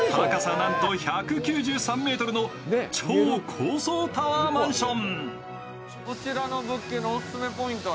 なんと１９３ｍの超高層タワーマンション。